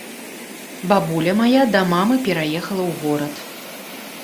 Бабуля мая да мамы пераехала ў горад.